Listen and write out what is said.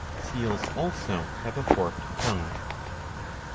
^'' (Seals also have a forked tongue.)